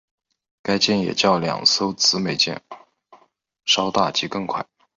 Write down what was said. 该舰也较两艘姊妹舰稍大及更快。